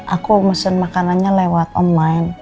aku mesen makanannya lewat online